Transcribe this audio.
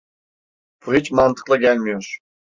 Bu hiç mantıklı gelmiyor.